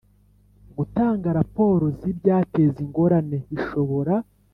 gutanga raporo zibyateza ingorane bishobora